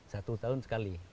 satu tahun sekali